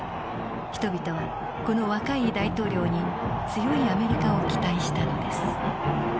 人々はこの若い大統領に強いアメリカを期待したのです。